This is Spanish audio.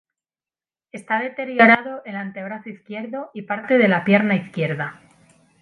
Está deteriorado el antebrazo izquierdo y parte de la pierna izquierda.